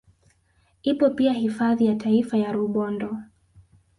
Ipo pia hifadhi ya taifa ya Rubondo